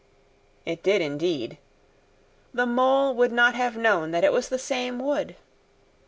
It did indeed. The Mole would not have known that it was the same wood.